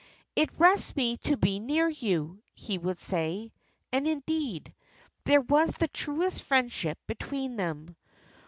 "It rests me to be near you," he would say. And, indeed, there was the truest friendship between them.